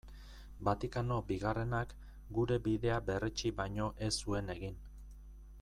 Vatikano Bigarrenak gure bidea berretsi baino ez zuen egin.